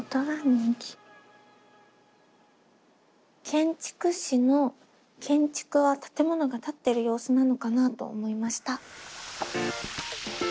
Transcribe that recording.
「建築士」の「建築」は建物が建ってる様子なのかなと思いました。